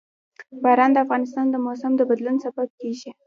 باران د افغانستان د موسم د بدلون سبب کېږي.